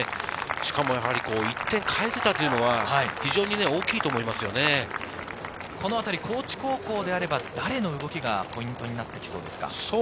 しかも１点返せたのは高知高校であれば誰の動きがポイントになってきそうですか。